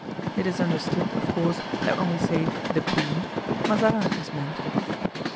It is understood, of course, that when we say "the queen," Mazarin is meant.